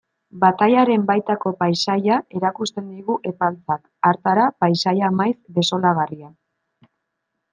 Batailaren baitako paisaia erakusten digu Epaltzak, hartara, paisaia maiz desolagarria.